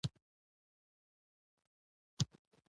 دویم دلیل د اور په کارولو کې د انسان مهارت و.